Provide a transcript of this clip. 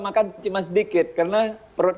makan cuma sedikit karena perut